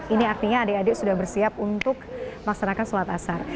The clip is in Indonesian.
ini artinya adik adik sudah bersiap untuk melaksanakan sholat asar